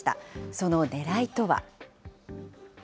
そのねらいとは。